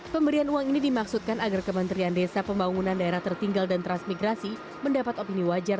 pemberian uang ini dimaksudkan agar kementerian desa pembangunan daerah tertinggal dan transmigrasi mendapat opini wajar